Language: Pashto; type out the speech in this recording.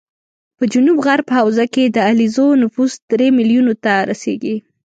په جنوب غرب حوزه کې د علیزو نفوس درې ملیونو ته رسېږي